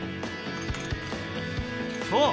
そう！